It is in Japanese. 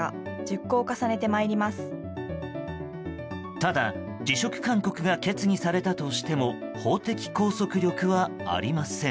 ただ辞職勧告が決議されたとしても法的拘束力はありません。